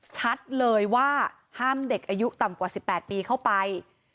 ชัดเลยว่าห้ามเด็กอายุต่ำกว่า๑๘ปีเข้าไป